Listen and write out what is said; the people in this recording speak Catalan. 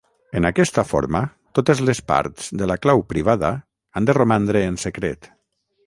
En aquesta forma, totes les parts de la clau privada han de romandre en secret.